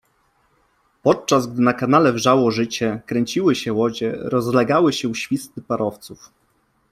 Podczas gdy na kanale wrzało życie, kręciły się łodzie, rozlegały się świsty parowców.